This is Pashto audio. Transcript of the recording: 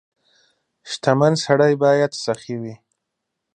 • شتمن سړی باید سخي وي.